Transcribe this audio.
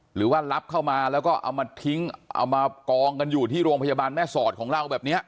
หรือว่ารับเข้ามาแล้วก็เอามาทิ้งเอามากองกันอยู่ที่โรงพยาบาลแม่สอดของเราแบบนี้